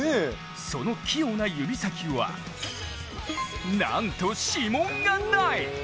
その器用な指先は、なんと、指紋がない！